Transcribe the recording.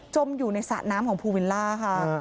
มอยู่ในสระน้ำของภูวิลล่าค่ะ